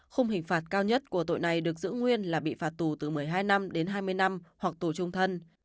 khung hình phạt cao nhất của tội này được giữ nguyên là bị phạt tù từ một mươi hai năm đến hai mươi năm hoặc tù trung thân